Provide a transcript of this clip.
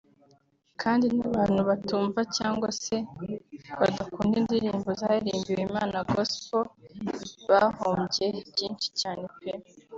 Kandi n’abantu batumva cyangwa se badakunda indirimbo zaririmbiwe Imana/Gospel bahombye byinshi cyane pe